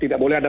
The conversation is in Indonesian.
tidak boleh ada